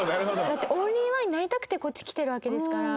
だってオンリーワンになりたくてこっち来てるわけですから。